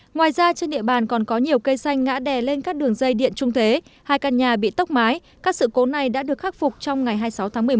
ngoài ra trên địa bàn còn có nhiều cây xanh ngã đè lên các đường dây điện trung thế hai căn nhà bị tốc mái các sự cố này đã được khắc phục trong ngày hai mươi sáu tháng một mươi một